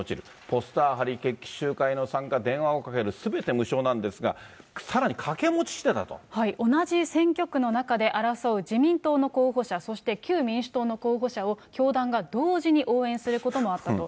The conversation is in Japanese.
ポスター貼り、決起集会の参加、電話をかける、すべて無償なんですが、さらに掛同じ選挙区の中で争う自民党の候補者、そして旧民主党の候補者を、教団が同時に応援することもあったと。